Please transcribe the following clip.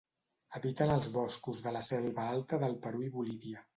Habita en els boscos de la selva alta del Perú i Bolívia.